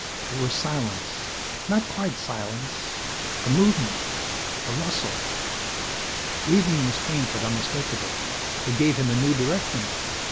There was silence ... not quite silence ... a movement ... a rustle Breathing was faint but unmistakable. It gave him a new direction.